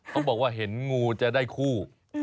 เขาบอกว่าเห็นงูจะได้คู่